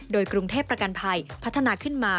โดยกรุงเทพประกันภัยพัฒนาขึ้นมา